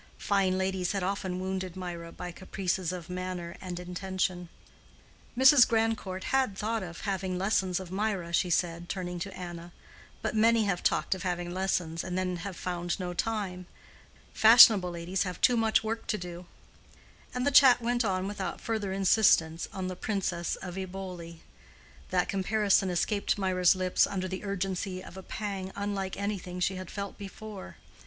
Fine ladies had often wounded Mirah by caprices of manner and intention. "Mrs. Grandcourt had thought of having lessons of Mirah," she said turning to Anna. "But many have talked of having lessons, and then have found no time. Fashionable ladies have too much work to do." And the chat went on without further insistence on the Princess of Eboli. That comparison escaped Mirah's lips under the urgency of a pang unlike anything she had felt before.